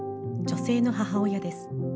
女性の母親です。